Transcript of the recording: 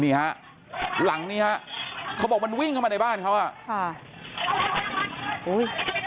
นี่ฮะหลังนี้ฮะเขาบอกมันวิ่งเข้ามาในบ้านเขาอ่ะค่ะอุ้ย